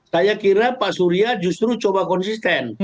saya kira pak surya justru coba konsisten